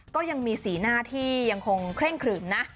ก็ยังมีสีหน้าที่ยังคงเคร่งขลึมนะ